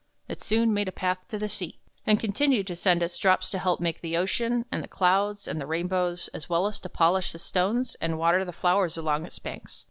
It soon made a path to the sea, and continued to send its drops to help make the ocean and the clouds and the rainbows, as well as to polish the stones and water the flowers along its banks.